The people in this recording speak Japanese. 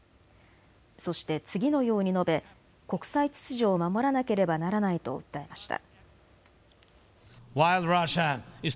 そして次のように述べ国際秩序を守らなければならないと訴えました。